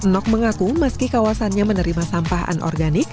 nok mengaku meski kawasannya menerima sampah anorganik